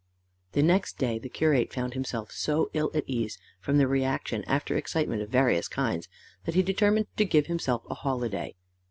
The next day the curate found himself so ill at ease, from the reaction after excitement of various kinds, that he determined to give himself a holiday.